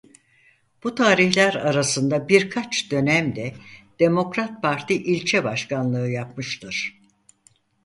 Bu tarihler arasında birkaç dönem de Demokrat Parti ilçe başkanlığı yapmıştır.